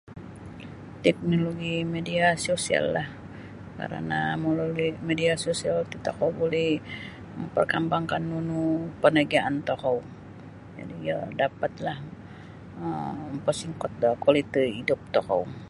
Teknologi media sosial lah karana mololui media sosial tokou bulih mamparkambangkan nunu parniagaan tokou jadi yo dapat lah um mempersingkot da kualiti hidup tokou